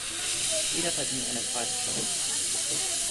Jeder verdient eine zweite Chance.